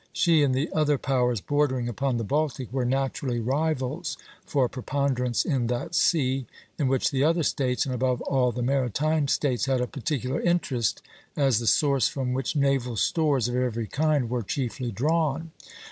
She and the other powers bordering upon the Baltic were naturally rivals for preponderance in that sea, in which the other States, and above all the maritime States, had a particular interest as the source from which naval stores of every kind were chiefly drawn.